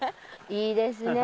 いいですね